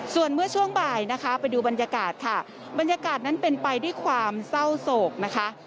ส่วนเมื่อช่วงบ่ายนะคะไปดูบรรยากาศค่ะบรรยากาศนั้นเป็นไปด้วยความเศร้าโศกนะคะ